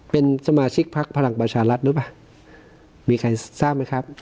เป็นสมาชิกพักพลังประชารัฐหรือเปล่ามีใครทราบไหมครับ